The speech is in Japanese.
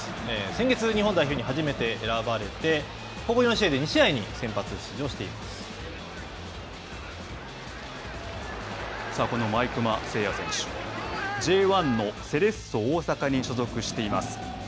先月、日本代表に初めて選ばれて、ここ４試合で２試合に先発出場しこの毎熊晟矢選手、Ｊ１のセレッソ大阪に所属しています。